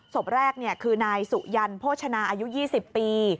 ศพแรกคือนายสุยันโภชนาอายุ๒๐ปี